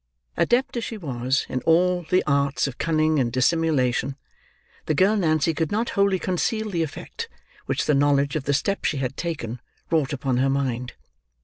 Adept as she was, in all the arts of cunning and dissimulation, the girl Nancy could not wholly conceal the effect which the knowledge of the step she had taken, wrought upon her mind.